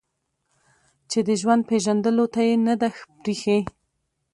چې د ژوند پېژندلو ته يې نه ده پرېښې